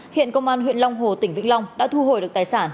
hiện công an huyện long hồ tỉnh vĩnh long đã thu hồi được tài sản